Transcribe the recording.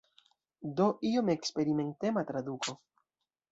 Do iom eksperimentema traduko.